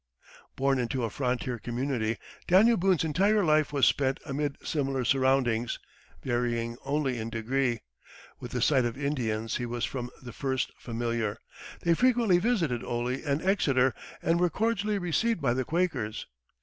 Born into a frontier community, Daniel Boone's entire life was spent amid similar surroundings, varying only in degree. With the sight of Indians he was from the first familiar. They frequently visited Oley and Exeter, and were cordially received by the Quakers.